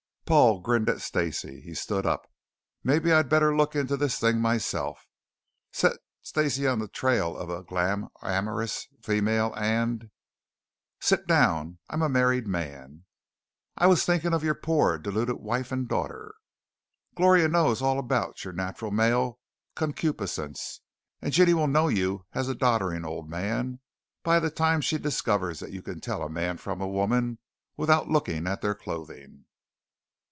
Paul grinned at Stacey. He stood up. "Maybe I'd better look into this thing myself. Set Stacey on the trail of a glam amorous female and " "Siddown. I'm a married man." "I was thinking of your poor, deluded wife and daughter." "Gloria knows all about your natural male concupiscence; and 'Ginny will know you as a doddering old man by the time she discovers that you can tell a man from a woman without looking at their clothing."